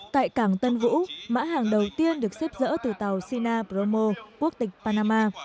tại cảng tân vũ mã hàng đầu tiên được xếp dỡ từ tàu sina promo quốc tịch panama